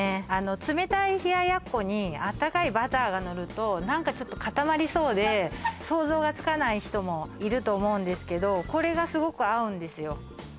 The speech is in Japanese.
冷たい冷奴にあったかいバターがのると何かちょっと固まりそうで想像がつかない人もいると思うんですけどこれがすごく合うんですよ